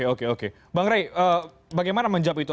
oke bang ray bagaimana menjawab itu